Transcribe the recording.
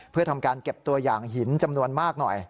เพื่อทำการเก็บตัวอย่างหินจำนวนมากหน่อย